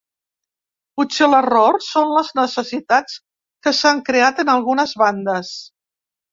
Potser l’error són les necessitats que s’han creat en algunes bandes.